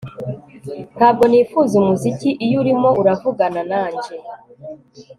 ntabwo nifuza umuziki iyo urimo uravugana nanje